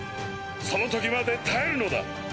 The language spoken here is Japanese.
その時まで耐えるのだ。